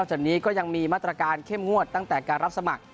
จากนี้ก็ยังมีมาตรการเข้มงวดตั้งแต่การรับสมัคร